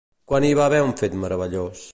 Quan hi va haver un fet meravellós?